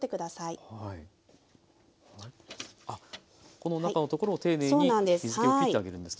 この中のところを丁寧に水けを拭いてあげるんですね。